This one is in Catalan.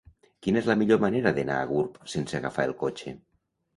Quina és la millor manera d'anar a Gurb sense agafar el cotxe?